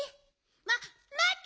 ままって！